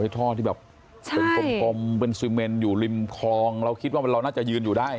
ท่อที่แบบเป็นกลมเป็นซีเมนอยู่ริมคลองเราคิดว่าเราน่าจะยืนอยู่ได้